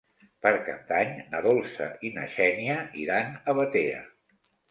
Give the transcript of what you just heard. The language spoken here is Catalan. Per Cap d'Any na Dolça i na Xènia iran a Batea.